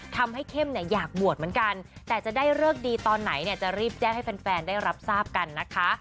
เข้มเนี่ยอยากบวชเหมือนกันแต่จะได้เลิกดีตอนไหนเนี่ยจะรีบแจ้งให้แฟนได้รับทราบกันนะคะ